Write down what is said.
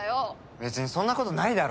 べつにそんなことないだろ。